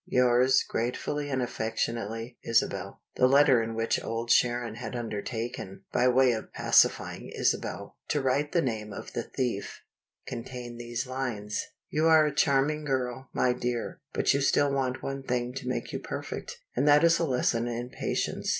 Yours, gratefully and affectionately, Isabel." The letter in which Old Sharon had undertaken (by way of pacifying Isabel) to write the name of the thief, contained these lines: "You are a charming girl, my dear; but you still want one thing to make you perfect and that is a lesson in patience.